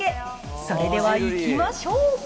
それではいきましょう。